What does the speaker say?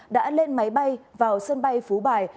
đã lên máy bay vào sân bay phú bài